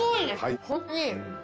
はい。